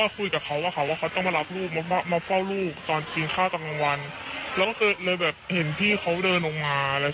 ซิทธิพรขอบคุณค่ะ